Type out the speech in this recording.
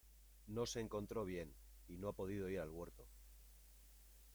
No se encontró bien y no ha podido ir al huerto.